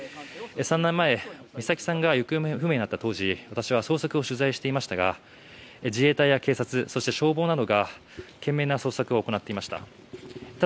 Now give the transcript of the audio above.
３年前、美咲さんが行方不明になった当時私は捜索を取材していましたが自衛隊や警察、そして消防などが懸命な捜索を行っていました。